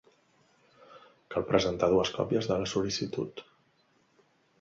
Cal presentar dues còpies de la sol·licitud.